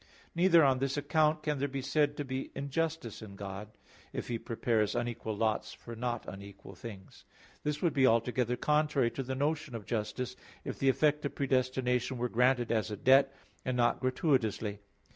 Neither on this account can there be said to be injustice in God, if He prepares unequal lots for not unequal things. This would be altogether contrary to the notion of justice, if the effect of predestination were granted as a debt, and not gratuitously.